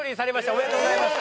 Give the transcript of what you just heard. おめでとうございます。